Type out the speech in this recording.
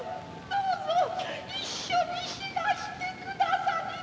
どうぞ一緒に死なしてくださりませ。